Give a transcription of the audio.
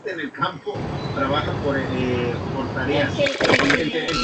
Afecta principalmente a los hemisferios cerebrales, particularmente en los lóbulos frontales y temporales.